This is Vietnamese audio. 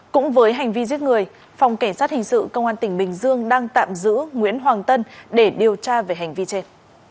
cũng với hành vi giết người phòng cảnh sát hình sự công an tỉnh bình dương đang tạm giữ nguyễn hoàng tân để điều tra về hành vi trên